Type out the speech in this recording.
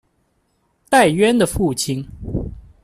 戴渊的父亲。